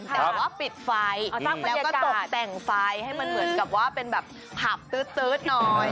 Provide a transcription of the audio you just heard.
แต่ว่าปิดไฟแล้วก็ตกแต่งไฟให้มันเหมือนกับว่าเป็นแบบผับตื๊ดหน่อย